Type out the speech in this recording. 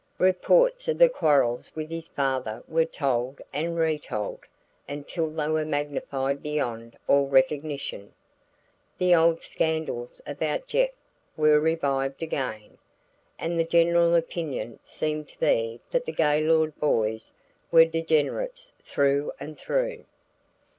Reports of the quarrels with his father were told and retold until they were magnified beyond all recognition. The old scandals about Jeff were revived again, and the general opinion seemed to be that the Gaylord boys were degenerates through and through.